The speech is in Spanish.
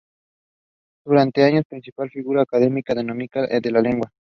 Durante años la principal figura de la Academia Dominicana de la Lengua.